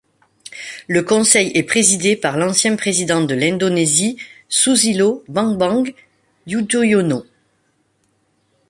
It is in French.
Le Conseil est présidé par l'ancien Président de l'Indonésie Susilo Bambang Yudhoyono.